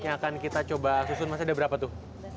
yang akan kita coba susun masih ada berapa tuh